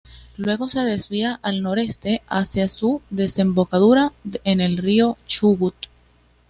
Luego, se desvía al noreste hacia su desembocadura en el río Chubut.